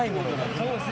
そうですね。